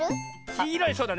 きいろいそうだね。